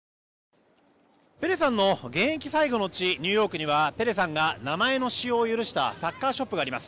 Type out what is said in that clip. ペレさんの現役最後の地ニューヨークにはペレさんが名前の使用を許したサッカーショップがあります。